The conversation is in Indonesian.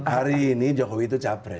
hari ini jokowi itu capres